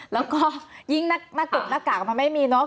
แล้วก็ยิ่งหน้ากากมันไม่มีเนอะ